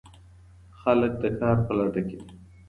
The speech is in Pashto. خلګ د کار په لټه کي دي.